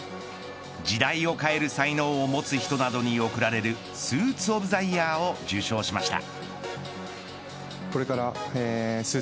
時代を変える才能を持つ人などに贈られるスーツ・オブ・ザ・イヤーを受賞しました。